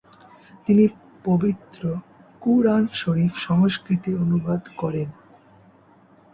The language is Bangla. তিনি পবিত্র কুরআন শরীফ সংস্কৃতে অনুবাদ করেন।